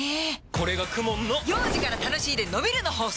これがＫＵＭＯＮの幼児から楽しいでのびるの法則！